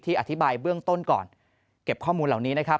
อธิบายเบื้องต้นก่อนเก็บข้อมูลเหล่านี้นะครับ